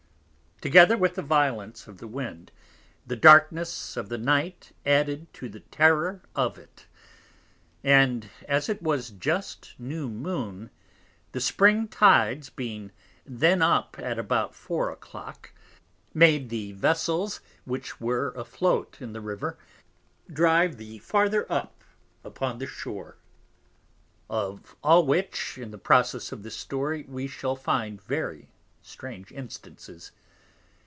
Together with the Violence of the Wind, the Darkness of the Night added to the Terror of it; and as it was just New Moon, the Spring Tides being then up at about Four a Clock, made the Vessels, which were a float in the River, drive the farther up upon the Shore: of all which, in the Process of this Story, we shall find very strange Instances.